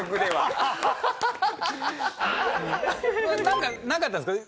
なんかなかったんですか？